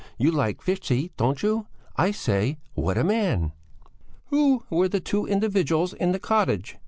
You like Fichte, don't you? I say! What a man!" "Who were the two individuals in the cottage?"